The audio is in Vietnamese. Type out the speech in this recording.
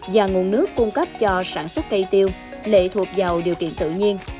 và nguồn nước cung cấp cho sản xuất cây tiêu lệ thuộc vào điều kiện tự nhiên